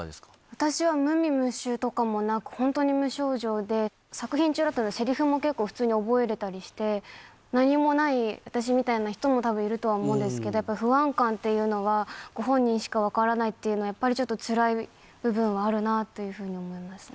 私は無味無臭とかもなく、本当に無症状で、作品中だったんですけどせりふも結構、普通に覚えれたりして、何もない、私みたいな人もたぶんいると思うんですけれども、やっぱり不安感っていうのは、ご本人しか分からないというのは、やっぱりちょっと辛い部分はあるなというふうに思いますね。